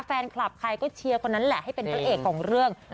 แฟนคลับใครก็เชียร์คนนั้นแหละให้เป็นพระเอกของเรื่อง